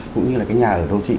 cũng như là cái nhà ở đô thị